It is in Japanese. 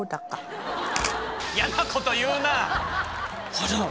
あら！